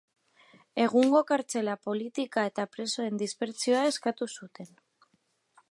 Egungo kartzela-politika eta presoen dispertsioa eskatu zuten.